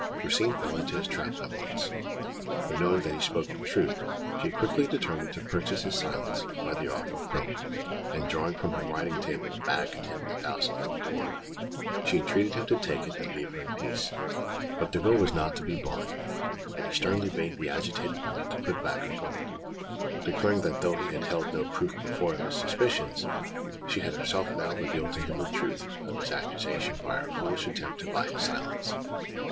Rosine fell into his trap at once; for, knowing that he spoke the truth, she quickly determined to purchase his silence by the offer of gold, and drawing from her writing table a bag containing a thousand louis d'or, she entreated him to take it and leave her in peace. But Derville was not to be bought; and he sternly bade the agitated woman to put back her gold, declaring that though he had held no proof before of his suspicions, she had herself now revealed to him the truth of his accusation by her foolish attempt to buy his silence.